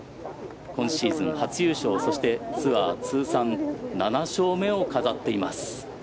今シーズン初優勝そして、ツアー通算７勝目を飾っています。